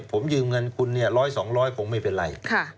ผมยืมเงินคุณเนี่ยร้อยสองร้อยคงไม่เป็นไร